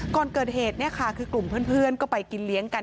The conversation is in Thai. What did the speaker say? ก่อนเกิดเหตุเนี่ยค่ะคือกลุ่มเพื่อนก็ไปกินเลี้ยงกัน